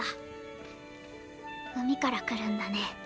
海から来るんだね。